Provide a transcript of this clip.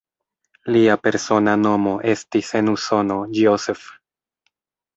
Lia persona nomo estis en Usono "Joseph".